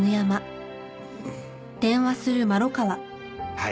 はい。